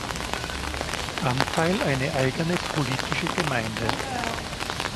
Anteil eine eigene politische Gemeinde.